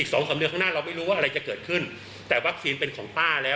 สองสามเดือนข้างหน้าเราไม่รู้ว่าอะไรจะเกิดขึ้นแต่วัคซีนเป็นของป้าแล้ว